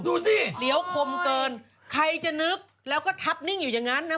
ดูสิเหลียวคมเกินใครจะนึกแล้วก็ทับนิ่งอยู่อย่างนั้นนะ